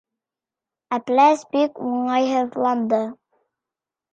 Әпләс бик уңайһыҙланды.